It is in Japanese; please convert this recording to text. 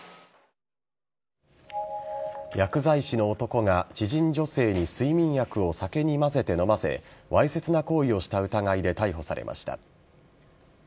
薬剤師の男が知人女性に睡眠薬を酒にまぜて飲ませわいせつな行為をした疑いで逮捕されました。